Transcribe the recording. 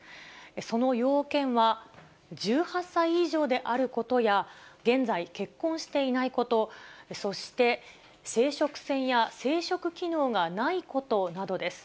その要件は、１８歳以上であることや、現在結婚していないこと、そして、生殖腺や生殖機能がないことなどです。